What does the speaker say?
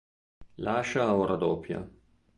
Lascia o raddoppia?